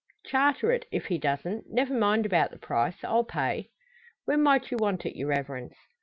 "Charter it, if he doesn't. Never mind about the price. I'll pay." "When might you want it, your Reverence?"